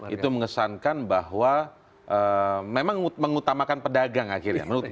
itu mengesankan bahwa memang mengutamakan pedagang akhirnya